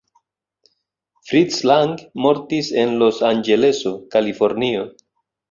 Fritz Lang mortis en Los-Anĝeleso, Kalifornio.